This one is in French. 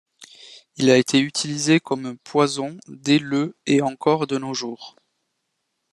Il a été utilisé comme poison dès le et encore de nos jours.